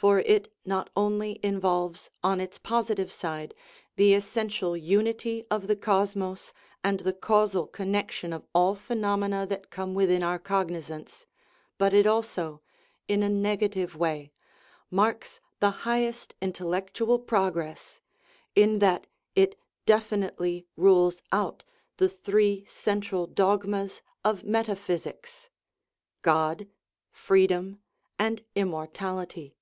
For it not only involves, on its positive side, the essential unity of the cosmos and the causal con nection of all phenomena that come within our cogni zance, but it also, in a negative way, marks the highest intellectual progress, in that it definitely rules out the three central dogmas of metaphysics God, freedom, and immortality.